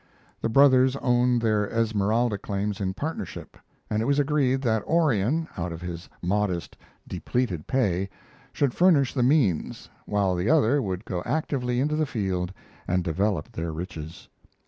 The brothers owned their Esmeralda claims in partnership, and it was agreed that Orion, out of his modest depleted pay, should furnish the means, while the other would go actively into the field and develop their riches.